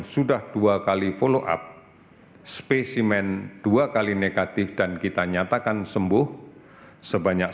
sudah dua kali follow up spesimen dua kali negatif dan kita nyatakan sembuh sebanyak